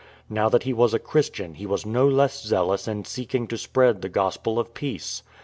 Now that he was a Christian he was no less zealous in seeking to spread the Gospel of peace.